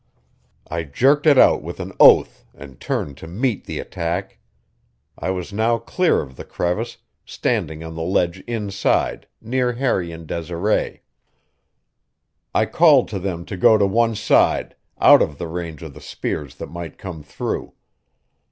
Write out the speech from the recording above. I jerked it out with an oath and turned to meet the attack. I was now clear of the crevice, standing on the ledge inside, near Harry and Desiree. I called to them to go to one side, out of the range of the spears that might come through.